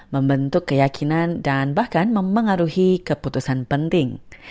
membentuk keyakinan dan bahkan memengaruhi keputusan penting